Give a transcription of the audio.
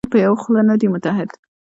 پښتانه په یوه خوله نه دي متحد.